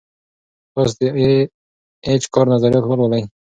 تاسو د ای اېچ کار نظریات ولولئ.